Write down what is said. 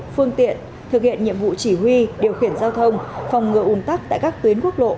phương tiện thực hiện nhiệm vụ chỉ huy điều khiển giao thông phòng ngừa ủn tắc tại các tuyến quốc lộ